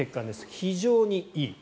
非常にいい。